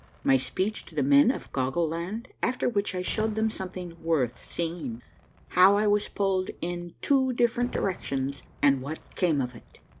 — MY SPEECH TO THE MEN OF GOGGLE LAND AFTER WHICH I SHOW THEM SOMETHING WORTH SEEING. — HOW I WAS PULLED IN TWO DIFFERENT DIREC TIONS AND WHAT CAME OF IT.